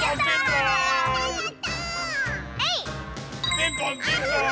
ピンポンピンポーン。